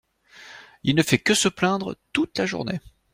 Il ne fait que se plaindre toute la journée.